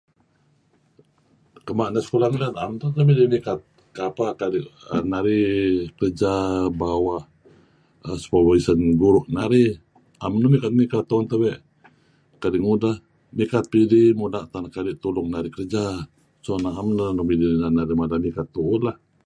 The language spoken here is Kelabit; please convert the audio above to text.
Kuma' narih sekulah ngilad na'em tun teh nuk midih mikat kapeh kadi' narih kerja bawah supervision guru' narih am' nuk mikat mikat tu'en tebe' kadi' nguden mikat pidih kadi' mula' teh anak adi' tulung narih kerja so kadi' am neh nuk midih belaan narih mikat tu'uh lah.